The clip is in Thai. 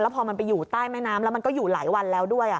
พอมันไปอยู่ใต้แม่น้ำแล้วมันก็อยู่หลายวันแล้วด้วย